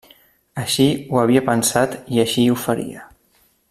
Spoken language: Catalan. Així ho havia pensat i així ho faria.